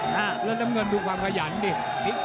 แล้วน้ำเงินดูความขยันดิ